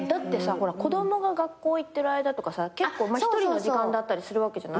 ほら子供が学校行ってる間とか結構一人の時間だったりするわけじゃない。